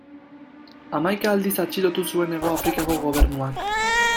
Hamaika aldiz atxilotu zuen Hego Afrikako Gobernuak.